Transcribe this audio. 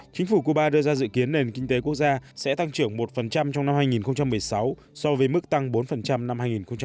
chính phủ cuba đưa ra dự kiến nền kinh tế quốc gia sẽ tăng trưởng một trong năm hai nghìn một mươi sáu so với mức tăng bốn năm hai nghìn một mươi bảy